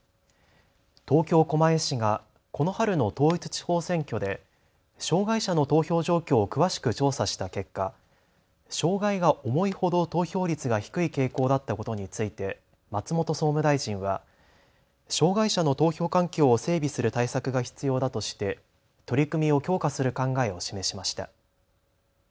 東京狛江市がこの春の統一地方選挙で障害者の投票状況を詳しく調査した結果、障害が重いほど投票率が低い傾向だったことについて松本総務大臣は障害者の投票環境を整備する対策が必要だとして取り組みを強化する考えを示しました。